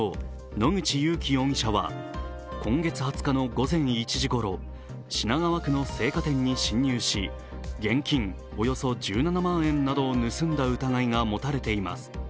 野口勇樹容疑者は今月２０日の午前１時ごろ、品川区の青果店に侵入し、現金およそ１７万円などを盗んだ疑いが持たれています。